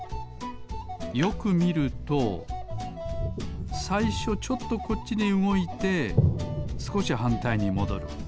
よくみるとさいしょちょっとこっちにうごいてすこしはんたいにもどる。